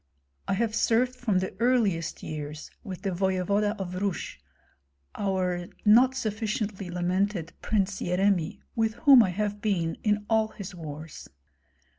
I have served from the earliest years with the voevoda of Rus, our not sufficiently lamented Prince Yeremi, with whom I have been in all his wars.